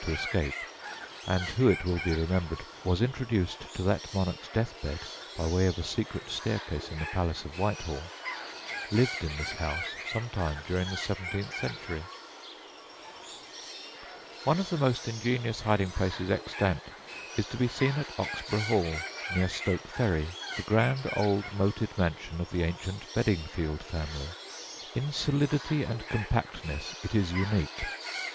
to escape, and who, it will be remembered, was introduced to that monarch's death bed by way of a secret staircase in the palace of Whitehall), lived in this house some time during the seventeenth century. One of the most ingenious hiding places extant is to be seen at Oxburgh Hall, near Stoke Ferry, the grand old moated mansion of the ancient Bedingfield family. In solidity and compactness it is unique.